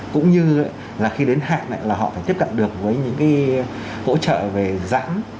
cũng như là khi đến hạn là họ phải tiếp cận được với những cái hỗ trợ về giãn